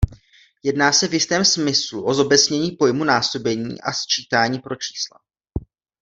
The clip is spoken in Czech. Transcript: Jedná se v jistém smyslu o zobecnění pojmu násobení a sčítání pro čísla.